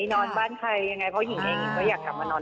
นอนบ้านใครยังไงเพราะหญิงเองหญิงก็อยากกลับมานอน